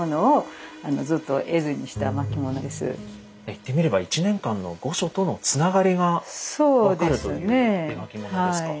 言ってみれば１年間の御所とのつながりが分かるという絵巻物ですか？